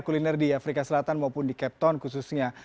kuliner di afrika selatan maupun di cape town khususnya